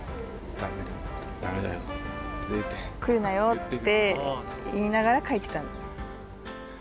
来るなよって言いながら描いてた。